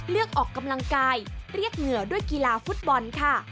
เลือกออกกำลังกายเรียกเหงื่อด้วยกีฬาฟุตบอลค่ะ